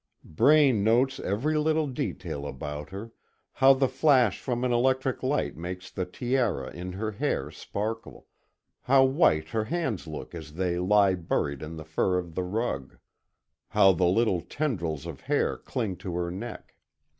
Braine notes every little detail about her how the flash from an electric light makes the tiara in her hair sparkle; how white her hands look as they lie buried in the fur of the rug; how the little tendrils of hair cling to her neck.